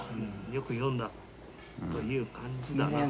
よく読んだという感じだな。